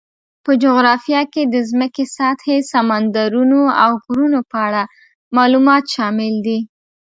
په جغرافیه کې د ځمکې سطحې، سمندرونو، او غرونو په اړه معلومات شامل دي.